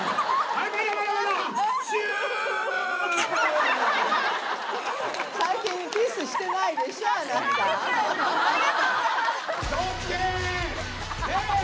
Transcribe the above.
ありがとうございます。